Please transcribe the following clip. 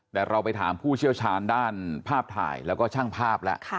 แต่เราไปถามผู้เชี่ยวชาญด้านภาพถ่ายแล้วก็ช่างภาพแล้ว